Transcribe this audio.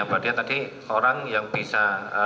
berarti tadi orang yang bisa